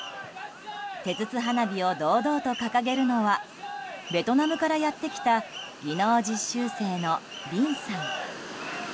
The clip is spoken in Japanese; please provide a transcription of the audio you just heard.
手筒花火を堂々と掲げるのはベトナムからやって来た技能実習生のビンさん。